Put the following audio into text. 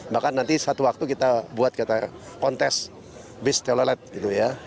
bahkan nanti suatu waktu kita buat kontes bus telelet gitu ya